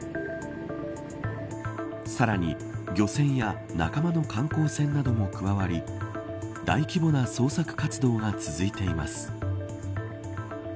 さらに漁船や仲間の観光船なども加わり大規模な捜索活動が続いています。